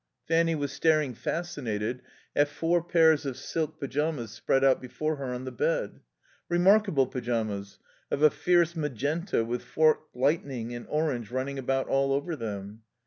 Fanny was staring, fascinated, at four pairs of silk pyjamas spread out before her on the bed. Remarkable pyjamas, of a fierce magenta with forked lightning in orange running about all over them.